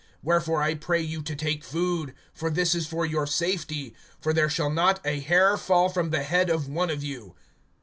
(34)Wherefore I pray you to take food; for this is for your safety; for there shall not a hair fall from the head of one of you.